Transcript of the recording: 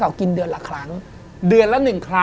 ลองเดี๋ยวฝรั่งกินอ่ะคุณพัฒน์